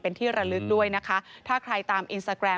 เป็นที่ระลึกโดยนะคะ